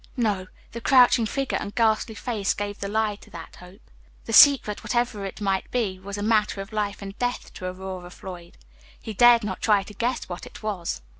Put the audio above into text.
No; the crouching figure and ghastly face gave the lie to that hope. The secret, whatever it might be, was a matter of life and death to Aurora Floyd. He Page 48 dared not try to guess what it was.